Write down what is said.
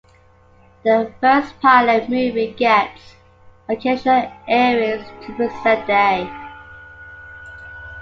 The first pilot movie gets occasional airings to present day.